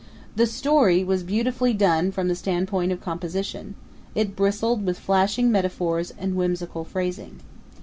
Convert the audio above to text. The story was beautifully done from the standpoint of composition; it bristled with flashing metaphors and whimsical phrasing.